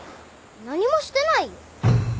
何もしてないよ。